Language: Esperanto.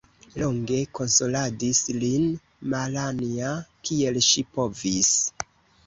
Longe konsoladis lin Malanja, kiel ŝi povis.